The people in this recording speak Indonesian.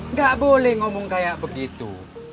nggak boleh ngomong kayak begitu